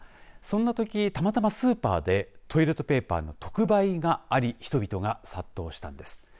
そんなとき、たまたまスーパーでトイレットペーパーの特売があり人々が殺到したんです。